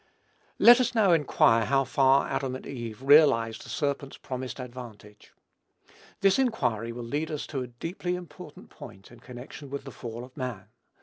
Let us now inquire how far Adam and Eve realized the serpent's promised advantage. This inquiry will lead us to a deeply important point in connection with the fall of man.